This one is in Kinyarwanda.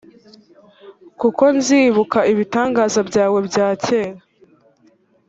kuko nzibuka ibitangaza byawe bya kera